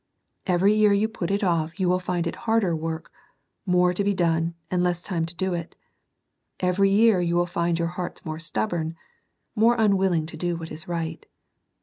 Every year you put it off you will find it harder work, — more to be done, and less time to do it. Every year you will find your hearts more stubborn, — more unwilling to do what is right.